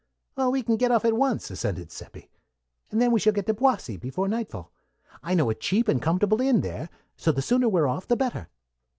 "Well, we can get off at once," assented Seppi, "and then we shall get to Boissy before nightfall. I know a cheap and comfortable inn there; so the sooner we're off the better."